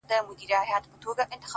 ستا په سترگو کي سندري پيدا کيږي _